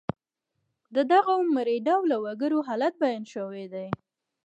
د دغو مري ډوله وګړو حالت بیان شوی دی.